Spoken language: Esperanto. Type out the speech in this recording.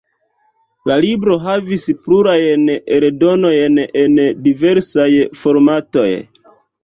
La libro havis plurajn eldonojn en diversaj formatoj.